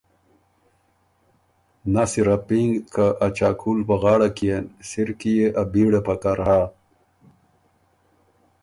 نس اِر ا پینګ که ا چاقُول په غاړه کيېن، سِر کی يې ا بیړه پکر هۀ۔